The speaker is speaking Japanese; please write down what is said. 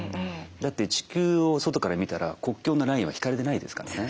だって地球を外から見たら国境のラインは引かれてないですからね。